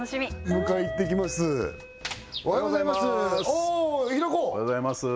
おお平子おはようございます